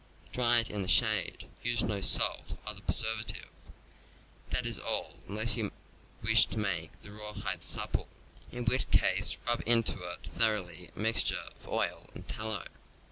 Dry it in the shade; use no salt or other preservative. This is all, unless you wish to make the rawhide supple, in which case rub into it thoroughly a mixture of oil and tallow.